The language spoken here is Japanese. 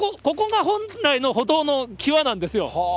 ここが本来の歩道の際なんですよ。